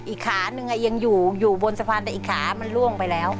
อีกขานึงยังอยู่อยู่บนสะพานแต่อีกขามันล่วงไปแล้ว